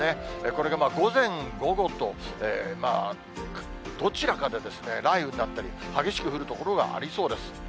これが午前、午後と、まあどちらかでですね、雷雨になったり、激しく降る所がありそうです。